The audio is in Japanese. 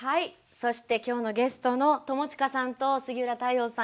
そして今日のゲストの友近さんと杉浦太陽さん